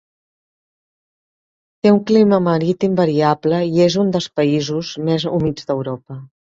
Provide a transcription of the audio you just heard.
Té un clima marítim variable i és un dels països més humits d'Europa.